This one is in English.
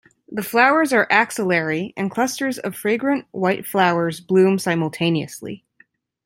The flowers are axillary, and clusters of fragrant white flowers bloom simultaneously.